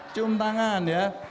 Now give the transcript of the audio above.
cium tangan ya